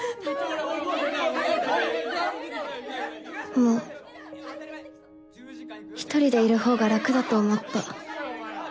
もう１人でいる方が楽だと思った。